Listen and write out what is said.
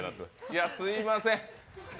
いや、すみません。